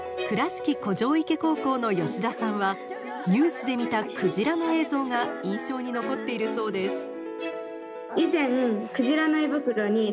倉敷古城池高校の吉田さんはニュースで見たクジラの映像が印象に残っているそうです。